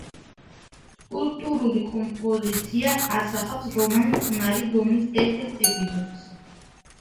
სკულპტურული კომპოზიცია ასახავს რომან წყნარი დონის ერთ-ერთ ეპიზოდს.